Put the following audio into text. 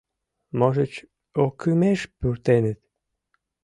Можыч, ӧкымеш пуртеныт.